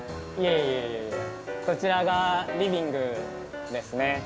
いやいやこちらがリビングですね。